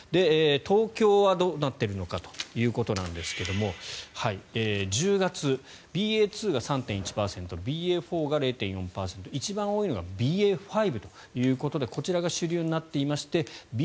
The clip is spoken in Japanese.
東京はどうなってるのかということですが１０月、ＢＡ．２が３．１％ＢＡ．４が０．４％一番多いのがＢＡ．５ということでこちらが主流になっていましてＢＡ．